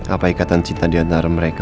apa ikatan cinta diantara mereka